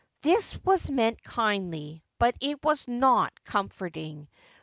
This was meant kindly, but it was not comforting.